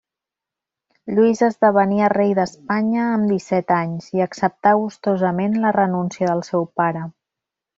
Lluís esdevenia rei d'Espanya amb disset anys, i acceptà gustosament la renúncia del seu pare.